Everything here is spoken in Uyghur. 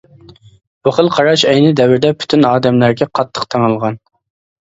بۇ خىل قاراش ئەينى دەۋردە پۈتۈن ئادەملەرگە قاتتىق تېڭىلغان.